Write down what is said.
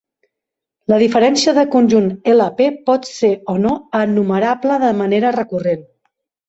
La diferència de conjunt "L" - "P" pot ser o no enumerable de manera recurrent.